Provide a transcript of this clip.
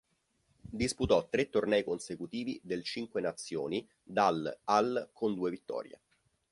Disputò tre tornei consecutivi del Cinque Nazioni dal al con due vittorie.